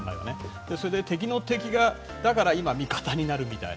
それで、敵の敵だから今、味方になるみたいな。